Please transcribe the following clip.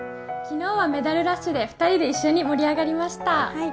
昨日はメダルラッシュで２人で一緒に盛り上がりました。